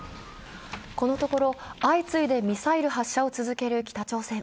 このところ、相次いでミサイル発射を続ける北朝鮮。